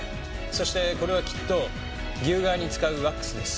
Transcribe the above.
そしてこれはきっと牛革に使うワックスです。